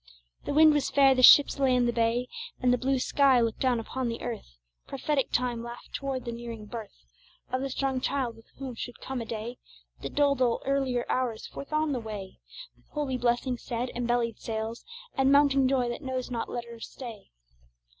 The wind was fair, the ships lay in the bay, And the blue sky looked down upon the earth; Prophetic time laughed toward the nearing birth Of the strong child with whom should come a day That dulled all earlier hours. Forth on the way With holy blessings said, and bellied sails, And mounting joy that knows not let nor stay!